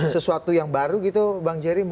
sesuatu yang baru gitu bang jerry